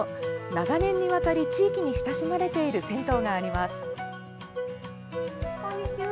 長年にわたり、地域に親しまれている銭湯があります。